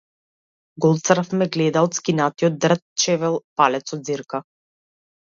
Гол црв ме гледа од скинатиот дрт чевел палецот ѕирка.